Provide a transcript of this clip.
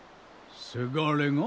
せがれが？